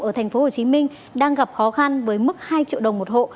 ở tp hcm đang gặp khó khăn với mức hai triệu đồng một hộ